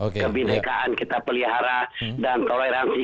kebinekaan kita pelihara dan toleransi